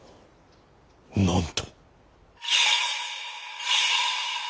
なんと。